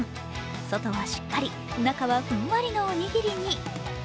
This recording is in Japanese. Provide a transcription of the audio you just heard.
外はしっかり、中はふんわりのおにぎりに。